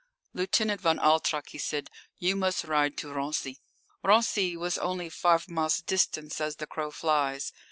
"Lieutenant von Altrock," he said, "you must ride to Raincy." Raincy was only five miles distant, as the crow flies.